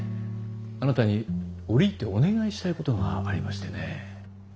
あなたに折り入ってお願いしたいことがありましてね。